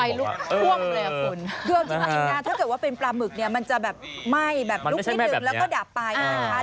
เรื่องจริงนะฮะถ้าเกิดว่าเป็นปลาหมึกเนี้ยมันจะแบบไหม้แบบลุกนิดหนึ่งแล้วก็ดับปลายนะฮะ